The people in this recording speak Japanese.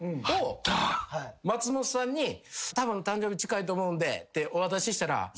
松本さんに「たぶん誕生日近いと思うんで」ってお渡ししたら。